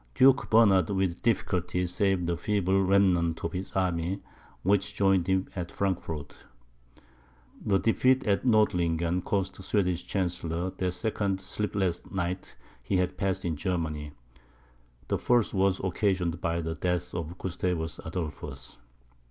Duke Bernard with difficulty saved a feeble remnant of his army, which joined him at Frankfort. The defeat at Nordlingen, cost the Swedish Chancellor the second sleepless night he had passed in Germany. [The first was occasioned by the death of Gustavus Adolphus.